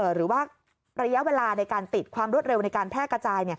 หรือว่าระยะเวลาในการติดความรวดเร็วในการแพร่กระจาย